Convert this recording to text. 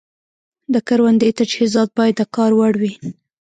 د کروندې تجهیزات باید د کار وړ وي.